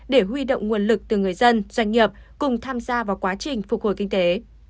để huy động nguồn lực từ người dân doanh nghiệp cùng tham gia vào quá trình phục hồi kinh tế